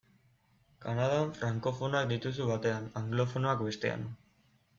Kanadan, frankofonoak dituzu batean, anglofonoak bestean.